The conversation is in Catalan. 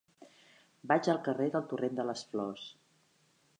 Vaig al carrer del Torrent de les Flors.